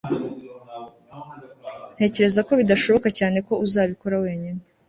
ntekereza ko bidashoboka cyane ko uzabikora wenyine